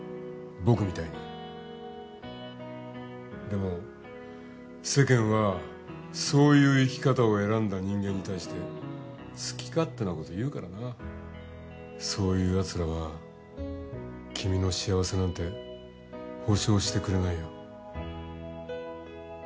僕みたいにでも世間はそういう生き方を選んだ人間に対して好き勝手なこと言うからなそういうやつらは君の幸せなんて保証してくれないよ